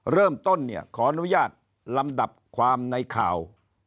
เริ่มต้นเนี่ยขออนุญาตลำดับความในข่าว